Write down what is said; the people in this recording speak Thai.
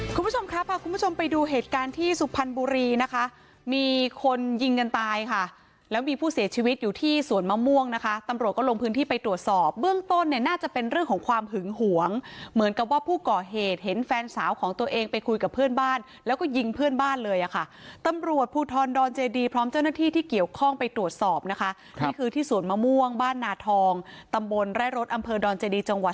คุณผู้ชมครับค่ะคุณผู้ชมไปดูเหตุการณ์ที่สุพรรณบุรีนะคะมีคนยิงกันตายค่ะแล้วมีผู้เสียชีวิตอยู่ที่สวนมะม่วงนะคะตำรวจก็ลงพื้นที่ไปตรวจสอบเบื้องต้นเนี่ยน่าจะเป็นเรื่องของความหึงหวงเหมือนกับว่าผู้ก่อเหตุเห็นแฟนสาวของตัวเองไปคุยกับเพื่อนบ้านแล้วก็ยิงเพื่อนบ้านเลยอ่ะค่ะตำรวจผู้ทอนดอนเจ